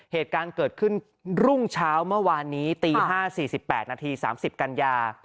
เหตุการณ์เกิดขึ้นรุ่งเช้าเมื่อวานนี้ตี๕๔๘นาที๓๐กันยา